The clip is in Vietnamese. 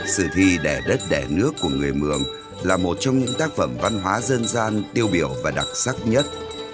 sử thi đẻ đất đẻ nước của người mường là một trong những tác phẩm văn hóa dân gian tiêu biểu và đặc sắc nhất